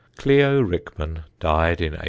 Clio Rickman died in 1834.